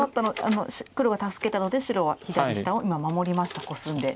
黒が助けたので白は左下を今守りましたコスんで。